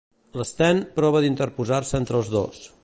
L'Sten prova d'interposar-se entre els dos.